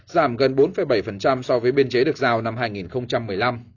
giảm gần bốn bảy so với biên chế được giao năm hai nghìn một mươi năm